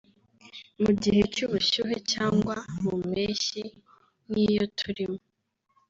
mu gihe cy’ubushyuhe cyangwa mu mpeshyi nk’iyo turimo